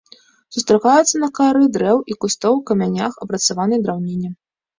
Сустракаюцца на кары дрэў і кустоў, камянях, апрацаванай драўніне.